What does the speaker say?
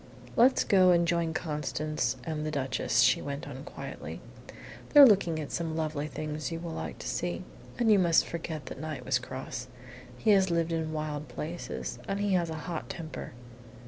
"Let's go and join Constance and the Duchess," she went on, quietly. "They're looking at some lovely things you will like to see. And you must forget that Knight was cross. He has lived in wild places, and he has a hot temper."